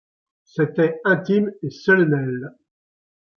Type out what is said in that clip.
C’était intime et solennel.